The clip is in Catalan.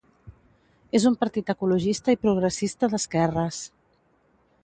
És un partit ecologista i progressista d'esquerres.